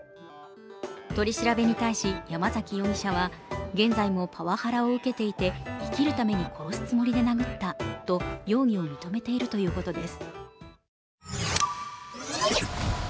取り調べに対し山崎容疑者は、現在もパワハラを受けていて、生きるために殺すつもりで殴ったと容疑を認めているということです。